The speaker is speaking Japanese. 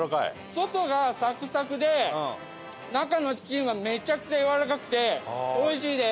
外がサクサクで中のチキンはめちゃくちゃやわらかくておいしいです。